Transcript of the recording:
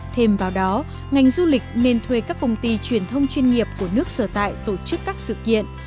thêm vào đó ngành du lịch nên thuê các công ty truyền thông chuyên nghiệp của nước sở tại tổ chức các sự kiện